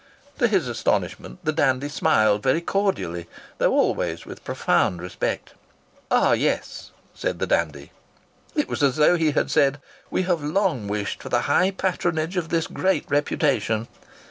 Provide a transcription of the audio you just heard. To his astonishment the dandy smiled very cordially, though always with profound respect. "Ah! yes!" said the dandy. It was as though he had said: "We have long wished for the high patronage of this great reputation."